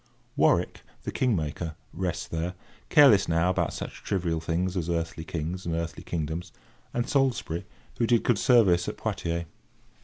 Warwick, the king maker, rests there, careless now about such trivial things as earthly kings and earthly kingdoms; and Salisbury, who did good service at Poitiers.